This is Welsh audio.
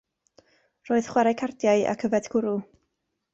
Roedd chwarae cardiau ac yfed cwrw.